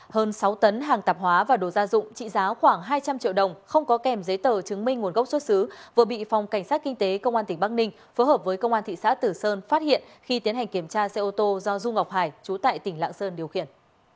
hơn sáu tấn hàng tạp hóa và đồ gia dụng trị giá khoảng hai trăm linh triệu đồng không có kèm giấy tờ chứng minh nguồn gốc xuất xứ vừa bị phòng cảnh sát kinh tế công an tỉnh bắc ninh phối hợp với công an thị xã tử sơn phát hiện khi tiến hành kiểm tra xe ô tô do du ngọc hải chú tại tỉnh lạng sơn điều khiển